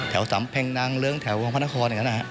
แถวสำเพงด์ดังเหลืองแถววงพระนครอย่างนั้นนะครับ